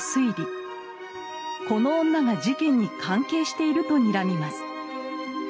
この女が事件に関係しているとにらみます。